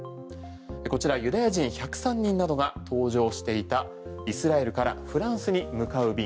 こちらユダヤ人１０３人などが搭乗していたイスラエルからフランスに向かう便。